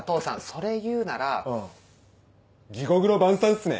それ言うなら地獄の晩餐っすね。